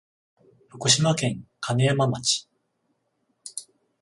福島県金山町